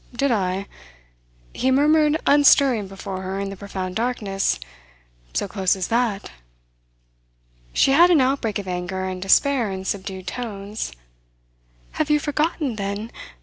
Did I?" he murmured unstirring before her in the profound darkness. "So close as that?" She had an outbreak of anger and despair in subdued tones. "Have you forgotten, then?